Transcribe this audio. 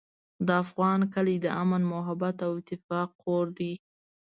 د افغان کلی د امن، محبت او اتفاق کور دی.